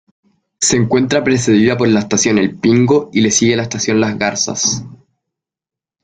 Se encuentra precedida por la Estación El Pingo y le sigue Estación Las Garzas.